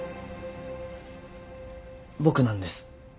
僕なんです。